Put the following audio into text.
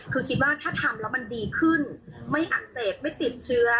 คือคิดว่าถ้าทำแล้วมันดีขึ้นไม่อักเสบไม่ติดเชื้อ